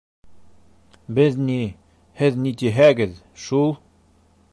Беҙ ни, һеҙ ни тиһәгеҙ - шул!